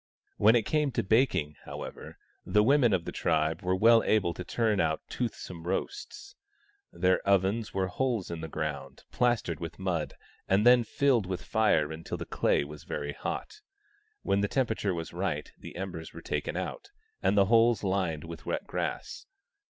When it came to baking, however, the women of the tribe were well able to turn out toothsome roasts. Their ovens were holes in the ground, plastered with mud, and then filled with fire until the clay was very hot. When the temperature was right the embers were taken out, and the holes lined with wet grass.